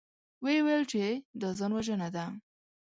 ويې ويل چې دا ځانوژنه ده.